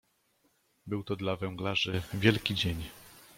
"Był to dla „węglarzy” wielki dzień."